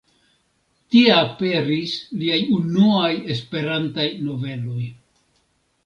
Tie aperis liaj unuaj Esperantaj noveloj.